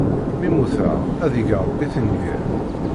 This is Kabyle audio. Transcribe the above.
Mi mmuteɣ, ad ig Ṛebbi tenger!